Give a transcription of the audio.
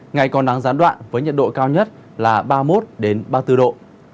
ngày còn nắng gián đoạn với nhiệt độ cao nhất là ba mươi một ba mươi bốn độ